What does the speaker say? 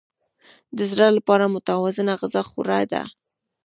د زړه لپاره متوازنه غذا غوره ده.